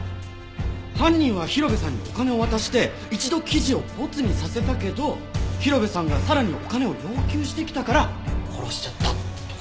犯人は広辺さんにお金を渡して一度記事をボツにさせたけど広辺さんがさらにお金を要求してきたから殺しちゃったとか？